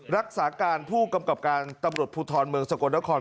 รักษาการผู้กำกับการตำรวจภูทรเมืองสกลนคร